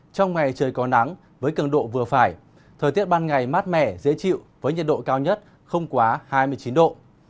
trong ngày trời có nắng với cường độ vừa phải thời tiết ban ngày mát mẻ dễ chịu với nhiệt độ cao nhất không quá hai mươi chín độ